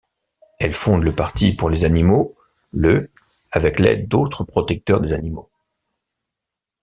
Elle fonde le Parti pour les animaux le avec l'aide d'autres protecteurs des animaux.